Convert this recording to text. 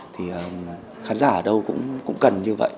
thì khán giả ở đâu cũng cần như vậy